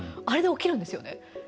あれで起きるんですよね。